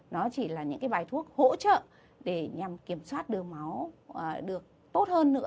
nó chỉ là những cái bài thuốc hỗ trợ để nhằm kiểm soát đường máu được tốt hơn nữa